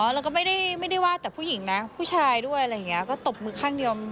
แล้วก็ไม่ได้ว่าแต่ผู้หญิงนะผู้ชายด้วยอะไรอย่างนี้